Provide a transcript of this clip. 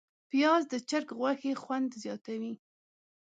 پیاز د چرګ غوښې خوند زیاتوي